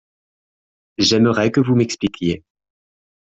J’aimerais que vous m’expliquiez.